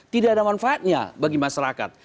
tidak ada manfaatnya bagi masyarakat